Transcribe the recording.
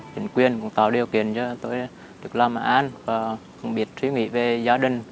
cũng tạo điều kiện cho tôi được làm an và không biết suy nghĩ về gia đình